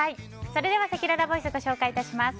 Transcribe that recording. それでは、せきららボイスご紹介致します。